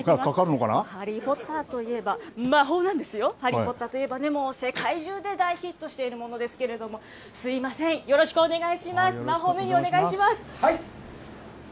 ハリー・ポッターといえば魔法なんですよ、ハリー・ポッターといえばね、世界中で大ヒットしているものですけれども、すみません、よろしくお願いします。